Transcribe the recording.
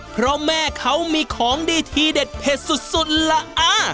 เพราะแม่เขามีของดีทีเด็ดเผ็ดสุดล่ะ